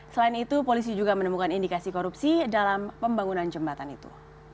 selain itu polisi juga menemukan indikasi korupsi dalam pembangunan jembatan itu